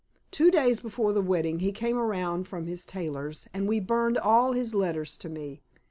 Two days before the wedding he came around from his tailor's, and we burned all his letters to me.